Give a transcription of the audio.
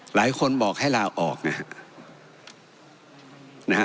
หลายคนบอกให้ลาออกนะฮะ